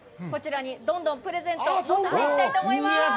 こちらにどんどんプレゼントを載せていきたいと思います。